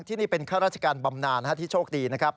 ที่นี่เป็นข้าราชการบำนานที่โชคดีนะครับ